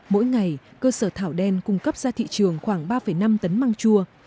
mỗi ngày cơ sở thảo đen cung cấp ra thị trường khoảng ba năm tấn măng chua